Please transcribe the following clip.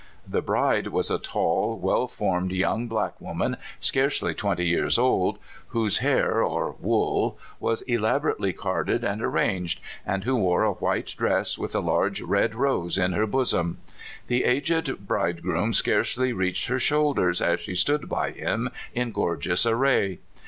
The bride was a tall, well formed young black woman, scarcely twenty years old, whose hair (or wool) was elabo rately carded and arranged, and who wore a white dress with a large red rose in her bosom. The aged bridegroom scarcely reached her shoulders as she stood by him in gorgeous array.